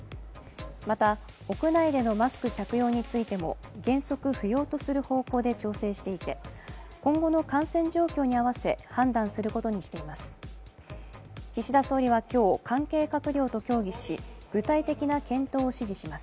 また屋内でのマスク着用についても原則不要とする方向で調整していて今後の感染状況に合わせ、判断することにしています。